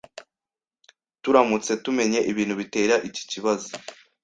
Turamutse tumenye ibintu bitera iki kibazo,